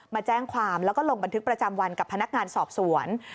มาแจ้งความแล้วก็ลงบันทึกประจำวันกับพนักงานสอบสวน